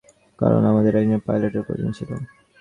কারণ, আমাদের একজন পাইলটের প্রয়োজন ছিল।